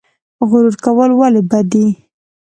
غرور کول ولې بد دي؟